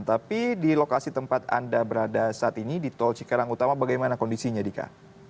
tapi di lokasi tempat anda berada saat ini di tol cikarang utama bagaimana kondisinya dika